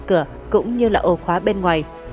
tạo cửa cũng như là ổ khóa bên ngoài